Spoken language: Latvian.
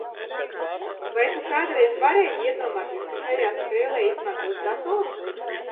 Vai tu kādreiz varēji iedomāties, ka šajā spēlē izmantos datorus?